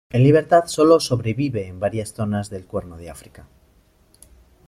En libertad sólo sobrevive en varias zonas del Cuerno de África.